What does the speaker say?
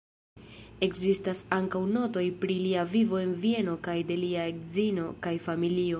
Ekzistas ankaŭ notoj pri lia vivo en Vieno kaj de lia edzino kaj familio.